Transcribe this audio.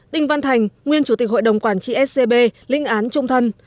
đình văn thành nguyên chủ tịch hội đồng quản trị scb lĩnh án trung thân